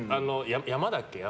山だっけ？